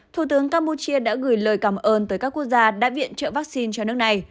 thủ tướng campuchia đã gửi lời cảm ơn tới các quốc gia đã viện trợ vaccine cho nước này